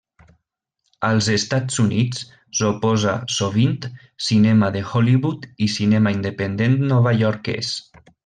Als Estats Units, s'oposa sovint cinema de Hollywood i cinema independent novaiorquès.